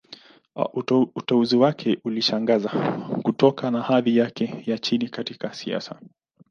Uteuzi wake ulishangaza, kutokana na hadhi yake ya chini katika siasa.